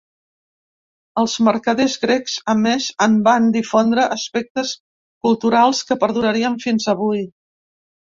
Els mercaders grecs, a més, en van difondre aspectes culturals que perdurarien fins avui.